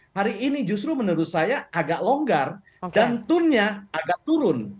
hari ini justru menurut saya agak longgar dan tone nya agak turun